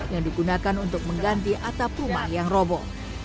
yang digunakan untuk mengganti atap rumah yang robo